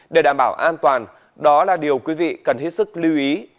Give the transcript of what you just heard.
để đảm bảo an toàn đó là điều quý vị cần hết sức lưu ý